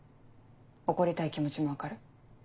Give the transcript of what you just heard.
怒りたい気持ちも分かる。